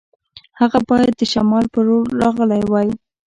هغه باید د شمال په لور راغلی وای.